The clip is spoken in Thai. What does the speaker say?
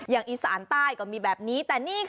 อย่างอีสานใต้ก็มีแบบนี้